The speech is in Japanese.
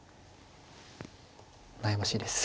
悩ましいです。